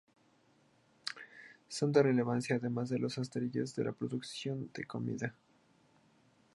Son de relevancia además los astilleros y la producción de comida.